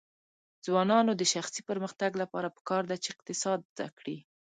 د ځوانانو د شخصي پرمختګ لپاره پکار ده چې اقتصاد زده کړي.